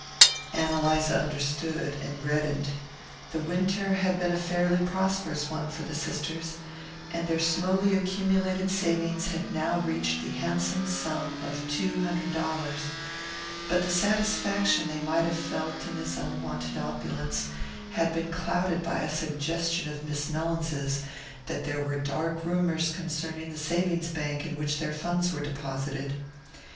Ann Eliza understood and reddened. The winter had been a fairly prosperous one for the sisters, and their slowly accumulated savings had now reached the handsome sum of two hundred dollars; but the satisfaction they might have felt in this unwonted opulence had been clouded by a suggestion of Miss Mellins's that there were dark rumours concerning the savings bank in which their funds were deposited.